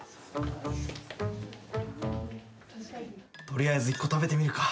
・取りあえず１個食べてみるか。